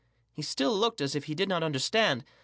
" He still looked as if he did not understand.